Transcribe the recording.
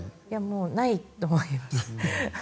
ないと思います。